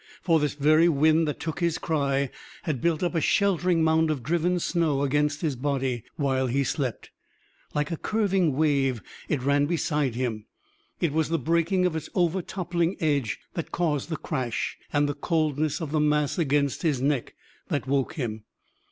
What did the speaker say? For this very wind that took his cry had built up a sheltering mound of driven snow against his body while he slept. Like a curving wave it ran beside him. It was the breaking of its over toppling edge that caused the crash, and the coldness of the mass against his neck that woke him.